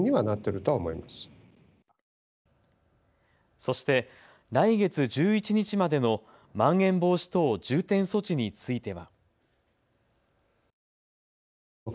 そして来月１１日までのまん延防止等重点措置については。